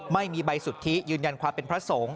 ไม่มีใบสุทธิยืนยันความเป็นพระสงฆ์